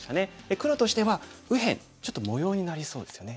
黒としては右辺ちょっと模様になりそうですよね。